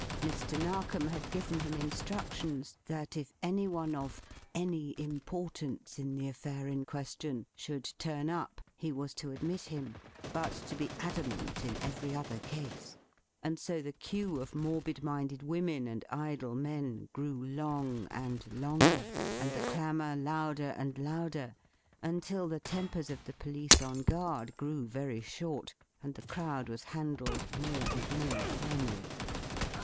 Mr. Narkom had given him instructions that if any one of "any importance in the affair in question" should turn up, he was to admit him, but to be adamant in every other case. And so the queue of morbid minded women and idle men grew long and longer, and the clamour louder and louder, until the tempers of the police on guard grew very short, and the crowd was handled more and more firmly.